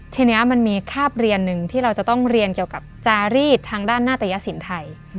ทีนี้มันมีคาบเรียนหนึ่งที่เราจะต้องเรียนเกี่ยวกับจารีดทางด้านหน้าตยสินไทย